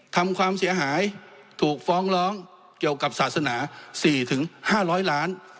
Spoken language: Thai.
ทำความเสียหายถูกฟ้องร้องเกี่ยวกับศาสนา๔๕๐๐ล้าน